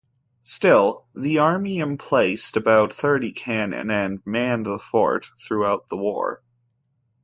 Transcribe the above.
Still, the Army emplaced about thirty cannon and manned the fort throughout the war.